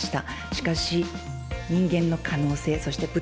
しかし、人間の可能性、そして舞